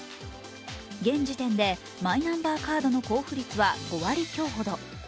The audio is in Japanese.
現時点でマイナンバーカードの交付率は５割強ほど。